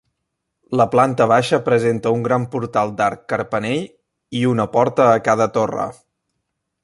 La planta baixa presenta un gran portal d'arc carpanell i una porta a cada torre.